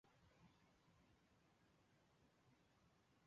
主要股东为烟台市人民政府国有资产监督管理委员会。